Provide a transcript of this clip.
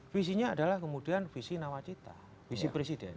visinya adalah kemudian visi nawacita visi presiden